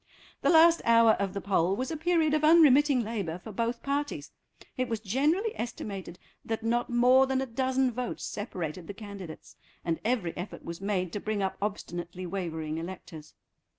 The last hour of the poll was a period of unremitting labour for both parties; it was generally estimated that not more than a dozen votes separated the candidates, and every effort was made to bring up obstinately wavering electors.